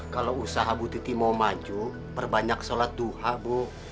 kalau usaha bu titi mau maju perbanyak sholat duha bu